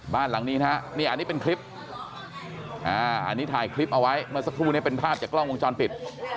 บ้านหลังนี้นะฮะนี่อันนี้เป็นคลิปอันนี้ถ่ายคลิปเอาไว้เมื่อสักครู่นี้เป็นภาพจากกล้องวงจรปิด